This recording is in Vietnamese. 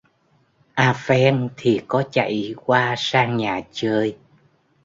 Apheng thì có chạy qua sang nhà chơi